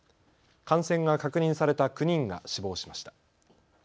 感染が確認された９人が死亡しました。